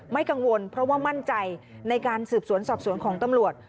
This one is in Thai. กังวลเพราะว่ามั่นใจในการสืบสวนสอบสวนของตำรวจ